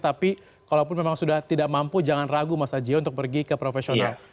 tapi kalaupun memang sudah tidak mampu jangan ragu mas ajio untuk pergi ke profesional